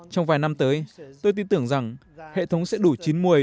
trong vài năm tới tôi tin tưởng rằng hệ thống sẽ đủ chín mươi